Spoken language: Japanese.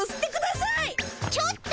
ちょっと。